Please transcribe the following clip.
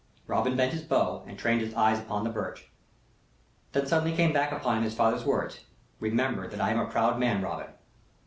Robin bent his bow and trained his eyes upon the birch. Then suddenly came back upon him his father's words: "Remember that I am a proud man, Robin."